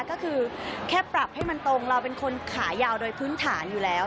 ก็คือแค่ปรับให้มันตรงเราเป็นคนขายาวโดยพื้นฐานอยู่แล้ว